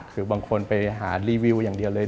คือบางคนไปหารีวิวอย่างเดียวเลย